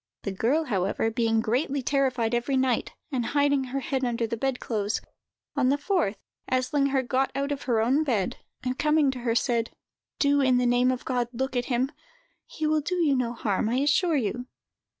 The girl, however, being greatly terrified every night, and hiding her head under the bed clothes, on the fourth Eslinger got out of her own bed, and, coming to her, said: "Do, in the name of God, look at him! He will do you no harm, I assure you."